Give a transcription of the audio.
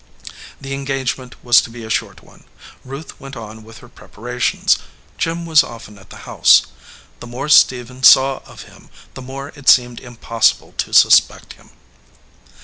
The engagement was to be a short one. Ruth went on with her prepara 272 RING WITH THE GREEN STONE tions. Jim was often at the house. The more Stephen saw of him, the more it seemed impossible to suspect him.